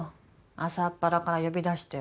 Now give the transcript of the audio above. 朝っぱらから呼び出して。